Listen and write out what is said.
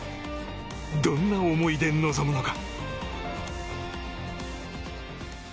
どんな思いで臨むのか。